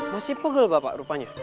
masih pegel bapak rupanya